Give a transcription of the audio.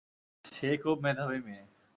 সে খুব মেধাবী মেয়ে।